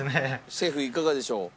シェフいかがでしょう？